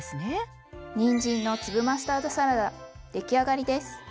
にんじんの粒マスタードサラダ出来上がりです。